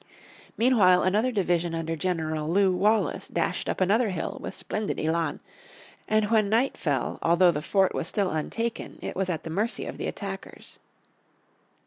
Meanwhile another division under General Lew Wallace dashed up another hill with splendid elan, and when night fell, although the fort was still untaken, it was at the mercy of the attackers.